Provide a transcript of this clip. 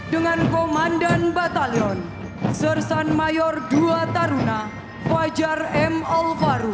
dengan komandan batalion sersan mayor dua taruna fajar m alvaro